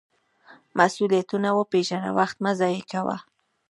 مسؤلیتونه وپیژنه، وخت مه ضایغه کوه.